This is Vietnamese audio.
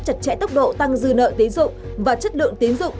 chặt chẽ tốc độ tăng dư nợ tiến dụng và chất lượng tiến dụng